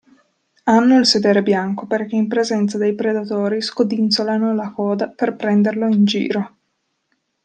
Hanno il sedere bianco perché in presenza dei predatori scodinzolano la coda per prenderlo in giro.